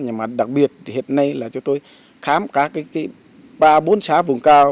nhưng mà đặc biệt hiện nay là chúng tôi khám các cái ba bốn xá vùng cao